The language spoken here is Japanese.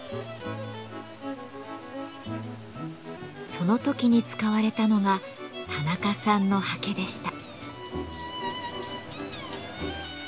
その時に使われたのが田中さんの刷毛でした。